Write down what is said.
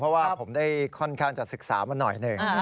เพราะว่าผมได้ค่อนข้างจะศึกษามาหน่อยหนึ่ง